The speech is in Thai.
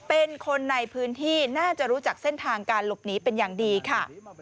เป็นคนในพื้นที่น่าจะรู้จักเส้นทางการหลบหนีเป็นอย่างดีค่ะ